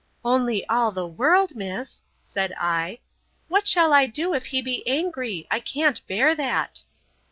—Only all the world, miss! said I.—What shall I do, if he be angry? I can't bear that.